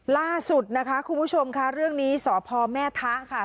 ล่าสุดนะคะคุณผู้ชมค่ะเรื่องนี้สพแม่ทะค่ะ